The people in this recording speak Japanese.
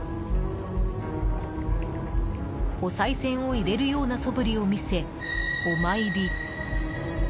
おさい銭を入れるような素振りを見せ、お参り。